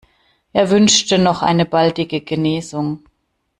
Er wünschte noch eine baldige Genesung.